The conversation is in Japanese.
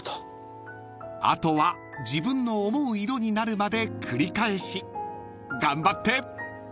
［あとは自分の思う色になるまで繰り返し］［頑張って！］